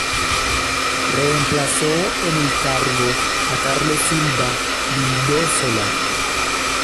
Reemplazó en el cargo a Carlos Silva Vildósola.